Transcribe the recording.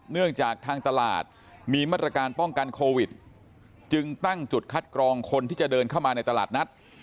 เนื่องจากทางตลาดมีมาตรการป้องกันโควิดจึงตั้งจุดคัดกรองคนที่จะเดินเข้ามาในตลาดนัด